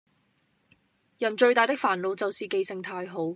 人最大的煩惱就是記性太好